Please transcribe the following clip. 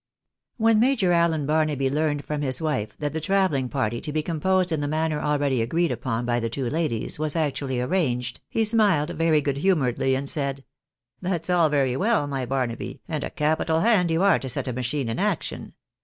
When Major Allen Barnaby learned from his wife that the travel ling party, to be composed in the manner already agreed upon by the two ladies, was actually arranged, he smiled very good humouredly, and said —" That's all very well, my Barnaby, and a capital hand you are to set a machine in action.